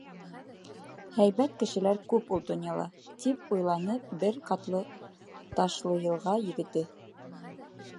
Һәйбәт кешеләр күп ул донъяла, тип уйланы бер ҡатлы Ташлыйылға егете.